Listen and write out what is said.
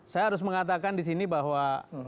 saya harus mengatakan disini bahwa